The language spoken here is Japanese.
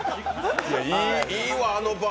いいわ、あのバー。